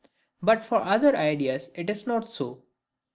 But for other ideas it is not so.